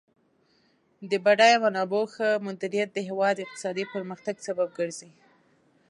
د بډایه منابعو ښه مدیریت د هیواد د اقتصادي پرمختګ سبب ګرځي.